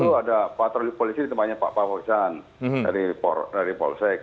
satu ada patroli polisi ditempatnya pak pak wajan dari polsek